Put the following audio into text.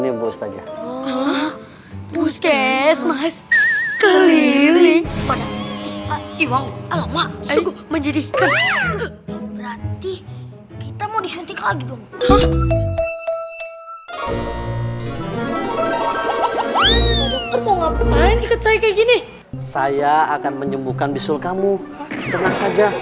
ikut saya kayak gini saya akan menyembuhkan bisul kamu tenang saja